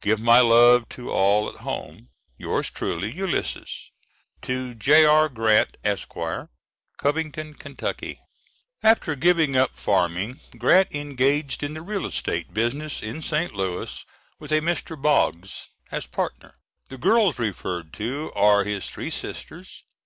Give my love to all at home. Yours truly, ULYSSES. To J.R. GRANT, ESQ., Covington, Ky. [After giving up farming Grant engaged in the real estate business in St. Louis, with a Mr. Boggs as partner. The girls referred to are his three sisters.